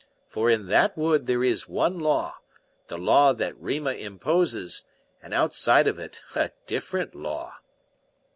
For in that wood there is one law, the law that Rima imposes, and outside of it a different law."